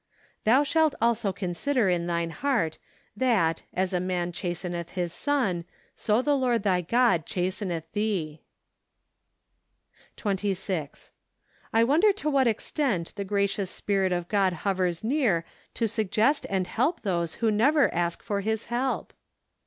" Thou shalt also consider in thine heart , that , as a man chasteneth his son , so the Lord thy God chasteneth thee " 120 OCTOBER. 20. I wonder to what extent the gracious Spirit of God hovers near to suggest and help those who never ask for His help